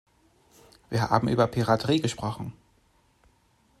Wir haben über Piraterie gesprochen.